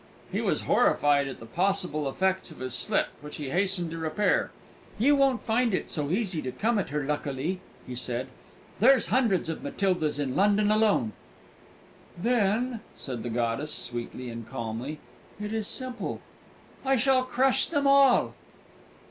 He was horrified at the possible effects of his slip, which he hastened to repair. "You won't find it so easy to come at her, luckily," he said; "there's hundreds of Matildas in London alone." "Then," said the goddess, sweetly and calmly, "it is simple: I shall crush them all."